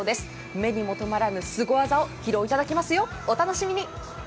目にも止まらぬすご技を披露いただきますよ、お楽しみに。